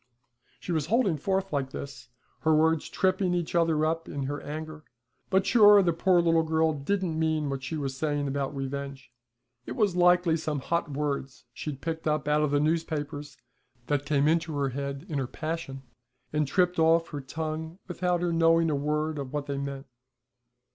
She was holding forth like this, her words tripping each other up in her anger; but sure, the poor little girl didn't mean what she was saying about revenge; it was likely some hot words she'd picked up out of the newspapers that came into her head in her passion, and tripped off her tongue without her knowing a word of what they meant.